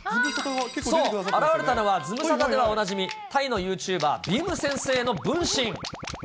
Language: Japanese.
そう、現れたのはズムサタではおなじみ、タイのユーチューバー、びーむ先生の分身。